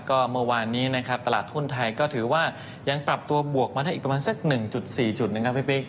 ก็เมื่อวานนี้นะครับตลาดหุ้นไทยก็ถือว่ายังปรับตัวบวกมาได้อีกประมาณสัก๑๔จุดนะครับพี่ปิ๊ก